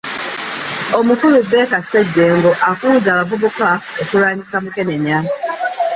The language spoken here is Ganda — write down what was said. Omukulu Baker Ssejjengo akunze abavubuka okulwanyisa Mukenenya